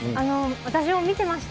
私も見てました。